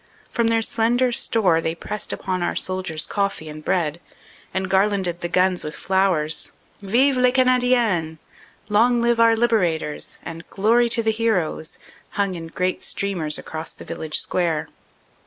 From their slender store they pressed upon our soldiers coffee and bread, and garlanded the guns with flowers. "Vive les Canadiens," "Long Live Our Liberators," and "Glory to the Heroes," hung in great streamers across the village square.